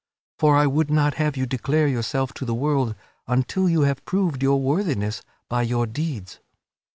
For I would not have you declare yourself to the world until you have proved your worthiness by your deeds.